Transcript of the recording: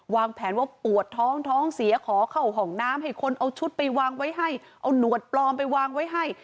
วางแผนว่าปวดท้องท้องเสียขอเข้าห้องน้ำให้คนเอาชุดไปวางไว้ให้เอาหนวดปลอมไปวางไว้ให้